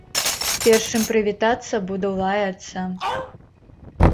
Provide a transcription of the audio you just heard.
Перш чым прывітацца, буду лаяцца.